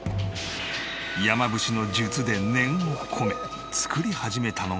山伏の術で念を込め作り始めたのが。